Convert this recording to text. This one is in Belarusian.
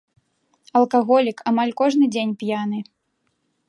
Алкаголік, амаль кожны дзень п'яны.